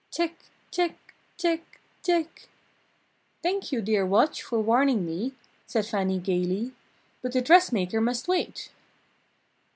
"Tic! Tic! Tic! Tic!" "Thank you, dear watch, for warning me!" said Fannie gaily, "but the dressmaker must wait!"